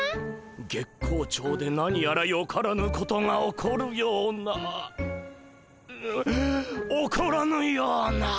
月光町で何やらよからぬことが起こるような起こらぬような。